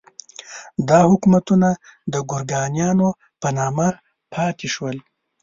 دا حکومتونه د ګورکانیانو په نامه پاتې شول.